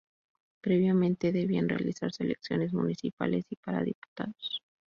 Previamente debían realizarse elecciones municipales y para diputados.